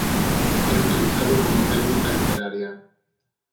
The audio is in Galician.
É utilizado como técnica literaria.